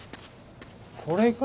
これか？